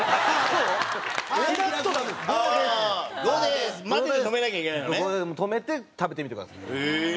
そこで止めて食べてみてください。